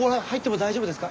大丈夫ですか？